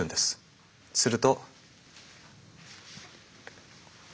すると。